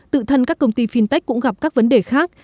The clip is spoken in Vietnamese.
tự thân các công ty fintech cũng gặp các vấn đề khác